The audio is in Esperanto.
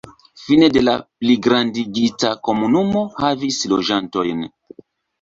Fine de la pligrandigita komunumo havis loĝantojn.